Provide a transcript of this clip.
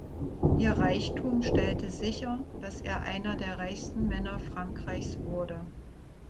Ihr Reichtum stellte sicher, dass er einer der reichsten Männer Frankreichs wurde.